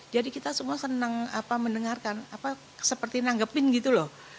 jadi kita semua senang mendengarkan seperti menanggapi gitu loh